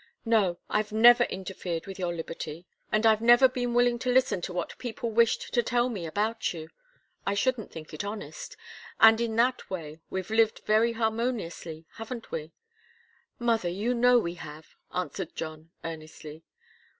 No I've never interfered with your liberty, and I've never been willing to listen to what people wished to tell me about you. I shouldn't think it honest. And in that way we've lived very harmoniously, haven't we?" "Mother, you know we have," answered John, earnestly.